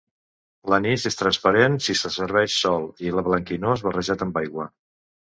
L'anís és transparent si se serveix sol, i blanquinós barrejat amb aigua.